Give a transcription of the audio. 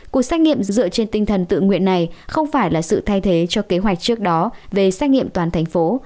cuộc xét nghiệm dựa trên tinh thần tự nguyện này không phải là sự thay thế cho kế hoạch trước đó về xét nghiệm toàn thành phố